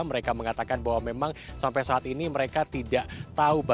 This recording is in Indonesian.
mereka mengatakan bahwa memang sampai saat ini mereka tidak tahu